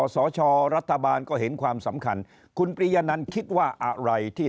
สชรัฐบาลก็เห็นความสำคัญคุณปริยนันคิดว่าอะไรที่